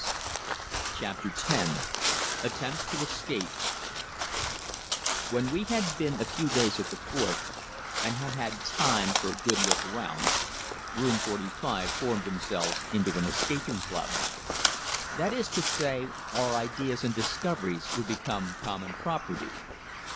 ] CHAPTER X ATTEMPTS TO ESCAPE When we had been a few days at the fort, and had had time for a good look round, Room 45 formed themselves into an escaping club. That is to say, our ideas and discoveries would be common property.